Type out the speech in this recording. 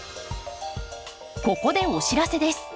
ここでお知らせです。